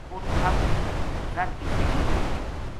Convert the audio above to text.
اُت سپ نیہہ ذر کی سیلی دھری ہے